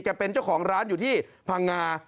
เป็นเจ้าของร้านอยู่ที่พังงา